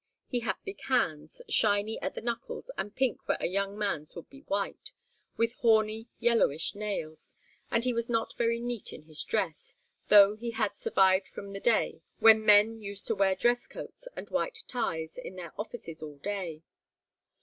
He had big hands, shiny at the knuckles and pink where a young man's would be white, with horny, yellowish nails, and he was not very neat in his dress, though he had survived from the day when men used to wear dress coats and white ties in their offices all day.